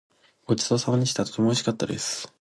ごちそうさまでした。とてもおいしかったです。